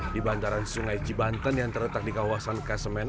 di bantaran sungai cibanten yang terletak di kawasan kasemen